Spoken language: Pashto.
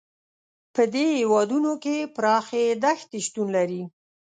په دې هېوادونو کې پراخې دښتې شتون لري.